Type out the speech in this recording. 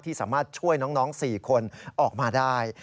สามารถช่วยน้อง๔คนออกมาได้